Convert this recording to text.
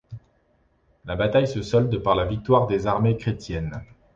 La bataille se solde par la victoire des armées chrétiennes.